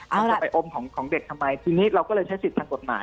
จะไปอมของเด็กทำไมทีนี้เราก็เลยใช้สิทธิ์ทางกฎหมาย